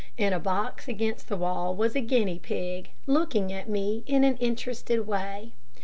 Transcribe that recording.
In a box against the wall was a guinea pig, looking at me in an interested way.